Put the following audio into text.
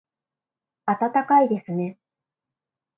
暖かいですね